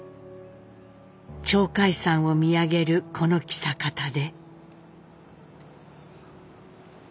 鳥海山を見上げるこの象潟で。